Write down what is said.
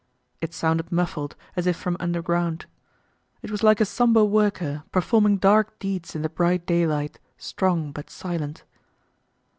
It sounded muffled as if from underground. It was like a sombre worker, performing dark deeds in the bright daylight, strong but silent.